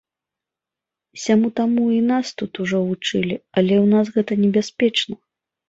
Сяму-таму і нас тут ужо вучылі, але ў нас гэта небяспечна.